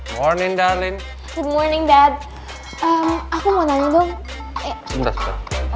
morning darling morning that aku mau nanya lo